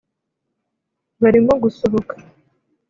Barimo gusohoka